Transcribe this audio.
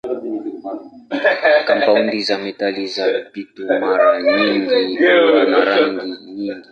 Kampaundi za metali za mpito mara nyingi huwa na rangi nyingi.